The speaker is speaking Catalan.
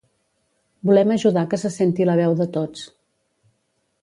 Volem ajudar que se senti la veu de tots.